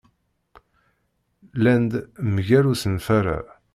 Llan-d mgal usenfar-a.